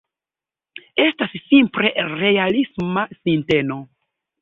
Estas simple realisma sinteno.